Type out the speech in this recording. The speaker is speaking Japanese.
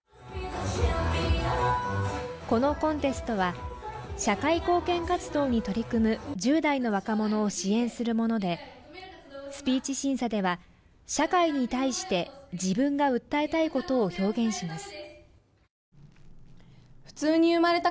このコンテストは、社会貢献活動に取り組む１０代の若者を支援するもので、スピーチ審査では、社会に対して自分が訴えたいことを表現します。